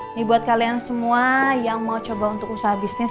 ini buat kalian semua yang mau coba untuk usaha bisnis